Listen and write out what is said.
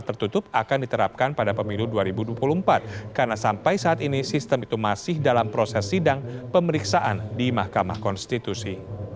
tertutup akan diterapkan pada pemilu dua ribu dua puluh empat karena sampai saat ini sistem itu masih dalam proses sidang pemeriksaan di mahkamah konstitusi